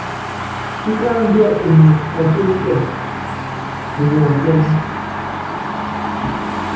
Kíkándíɛ unyi ɔtɛ́mtɛm, unyɛ ɔtɛ́m.